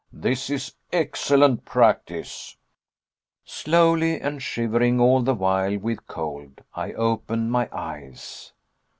This is excellent practice." Slowly, and shivering all the while with cold, I opened my eyes.